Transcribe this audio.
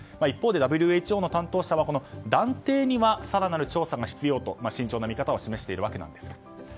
一方でＷＨＯの担当者は断定には更なる調査が必要と慎重な見方を示しているわけです。